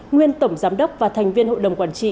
nguyên tổng giám đốc và thành viên hội đồng quản trị